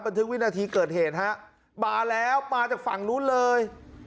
ทุกวินาทีเกิดเหตุฮะมาแล้วมาจากฝั่งนู้นเลย